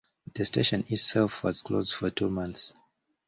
The station itself was closed for two months.